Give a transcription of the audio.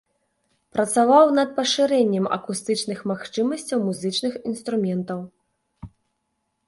Працаваў над пашырэннем акустычных магчымасцяў музычных інструментаў.